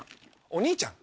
お兄ちゃん？